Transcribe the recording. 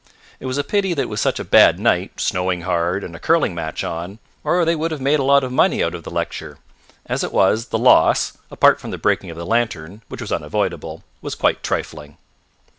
It was a pity that it was such a bad night, snowing hard, and a curling match on, or they would have made a lot of money out of the lecture. As it was the loss, apart from the breaking of the lantern, which was unavoidable, was quite trifling.